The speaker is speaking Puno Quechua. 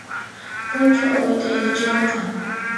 Punchu awayta yachachiwanqa